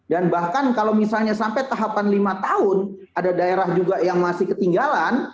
dan bahkan kalau misalnya sampai tahapan lima tahun ada daerah juga yang masih ketinggalan